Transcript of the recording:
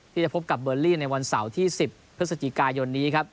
ที่จะพบกับเบอร์ลี่ในวันเสาร์ที่๑๐พฤศจิกายนนี้ครับ